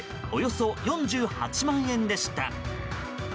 およそ４８万円でした。